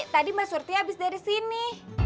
tadi mas surti habis dari sini